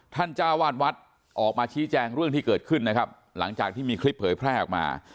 จ้าวาดวัดออกมาชี้แจงเรื่องที่เกิดขึ้นนะครับหลังจากที่มีคลิปเผยแพร่ออกมา